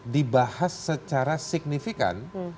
dibahas secara signifikan